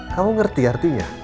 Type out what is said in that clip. kamu ngerti artinya